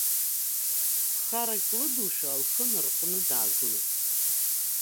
Харак лыдушәа, лхы нарҟәны даагылеит.